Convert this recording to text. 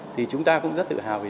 thì chúng ta cũng rất tự hào vì điều đó